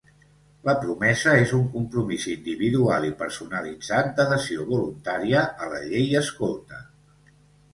La promesa és un compromís individual i personalitzat d’adhesió voluntària a la Llei escolta.